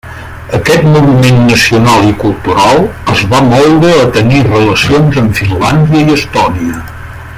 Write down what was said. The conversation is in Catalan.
Aquest moviment nacional i cultural es va moure a tenir relacions amb Finlàndia i Estònia.